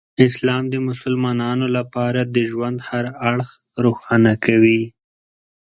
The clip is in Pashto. اسلام د مسلمانانو لپاره د ژوند هر اړخ روښانه کوي.